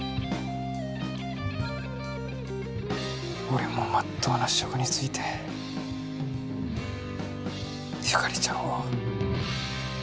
俺もまっとうな職に就いてゆかりちゃんを。